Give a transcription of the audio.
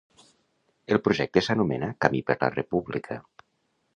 El projecte s’anomena Camí per la República.